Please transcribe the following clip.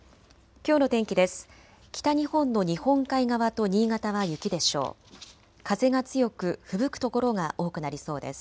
きょうの天気です。